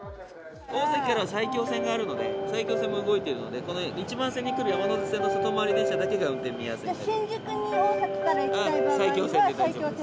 大崎からは埼京線があるので、埼京線も動いてるので、１番線に来る山手線の外回り電車だけが、運転見合わせになります。